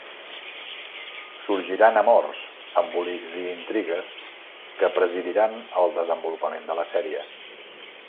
Sorgiran amors, embolics i intrigues, que presidiran el desenvolupament de la sèrie.